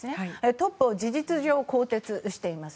トップを事実上更迭しています。